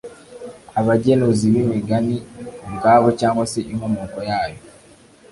abagenuzi b’imigani ubwabo cyangwa se inkomoko yayo.